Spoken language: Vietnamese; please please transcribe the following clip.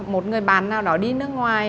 một người bạn nào đó đi nước ngoài